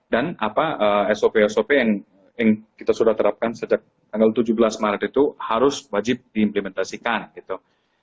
dan sop sop yang kita sudah terapkan sejak tanggal tujuh belas maret itu harus wajib diimplementasikan gitu